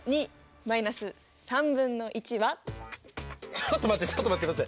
ちょっと待ってちょっと待って待って！